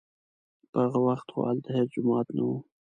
په هغه وخت خو هلته هېڅ جومات نه و.